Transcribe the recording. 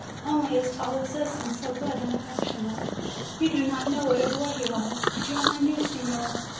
only as tall as this, and so good and affectionate! You do not know what a boy he was! If you only knew, signora!